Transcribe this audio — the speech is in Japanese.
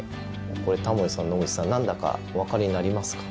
これタモリさん野口さん何だかお分かりになりますか？